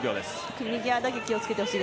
組み際だけ気を付けてほしい。